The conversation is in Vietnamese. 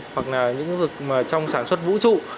hoặc là những vực trong sản xuất vũ trụ